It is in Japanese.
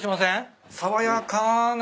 爽やかな。